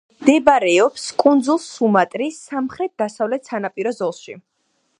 მდებარეობს კუნძულ სუმატრის სამხრეთ-დასავლეთ სანაპირო ზოლში.